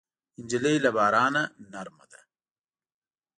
نجلۍ له بارانه نرمه ده.